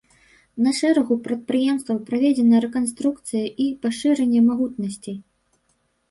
На шэрагу прадпрыемстваў праведзена рэканструкцыі і пашырэнне магутнасцей.